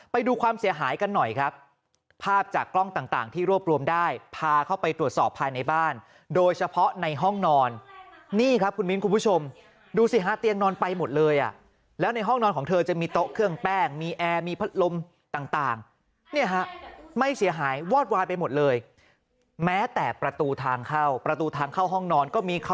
ไปดูความเสียหายกันหน่อยครับภาพจากกล้องต่างที่รวบรวมได้พาเข้าไปตรวจสอบภายในบ้านโดยเฉพาะในห้องนอนนี่ครับคุณมิ้นคุณผู้ชมดูสิฮะเตียงนอนไปหมดเลยอ่ะแล้วในห้องนอนของเธอจะมีโต๊ะเครื่องแป้งมีแอร์มีพัดลมต่างเนี่ยฮะไม่เสียหายวอดวายไปหมดเลยแม้แต่ประตูทางเข้าประตูทางเข้าห้องนอนก็มีค